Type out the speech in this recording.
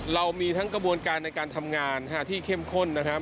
เรามีทั้งกระบวนการในการทำงานที่เข้มข้นนะครับ